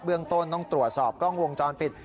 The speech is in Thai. เรื่องต้นต้องตรวจสอบกล้องวงจรปิด